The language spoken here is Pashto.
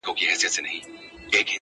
• چي وايي.